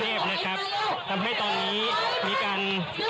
ในกรุณเทพทำให้ตอนนี้มีการ